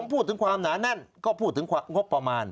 พูดถึงความหนาแน่นก็พูดถึงงบประมาณ